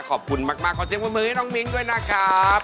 ขอบคุณมากขอเจบนมือให้น้องมิ้งด้วยนะครับ